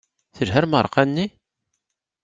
Telha lmeṛqa-nni?